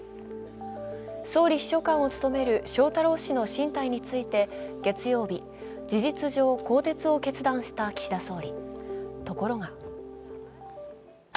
総理秘書官を務める翔太郎氏の進退について月曜日、事実上更迭を決断した岸田総理、ところが。